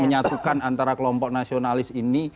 menyatukan antara kelompok nasionalis ini